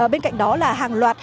bên cạnh đó là hàng loạt